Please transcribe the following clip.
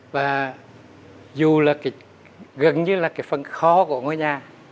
và dù là gần như là cái phần khó của ngôi nhà